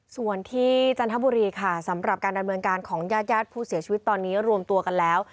ส่วนที่จันทบุรีค่ะสำหรับการดำเนินการของญาติผู้เสียชีวิตตอนนี้รวมตัวกันแล้ว